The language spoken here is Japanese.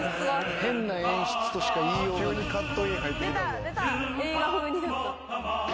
変な演出としか言いようがない。